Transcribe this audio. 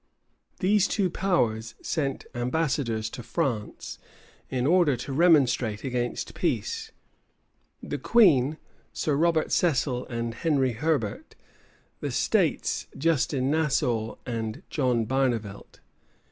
These two powers sent ambassadors to France, in order to remonstrate against peace; the queen, Sir Robert Cecil and Henry Herbert; the states, Justin Nassau and John Barnevelt.